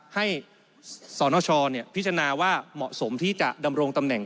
สนชพิจารณาว่าเหมาะสมที่จะดำรงตำแหน่ง